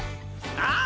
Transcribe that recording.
ああ！